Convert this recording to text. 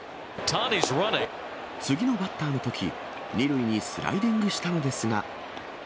次のバッターのとき、２塁にスライディングしたのですが。